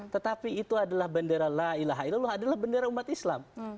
tetapi itu adalah bendera la ilaha ilallah adalah bendera umat islam